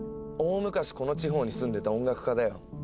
大昔この地方に住んでた音楽家だよ。